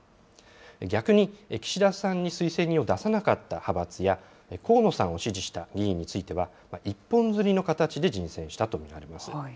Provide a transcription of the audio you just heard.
逆に、岸田さんに推薦人を出さなかった派閥や河野さんを支持した議員については、一本釣りの形で人選したものと見られます。